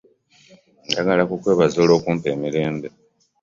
Njagala kukwebaza olw'okumpa emirembe.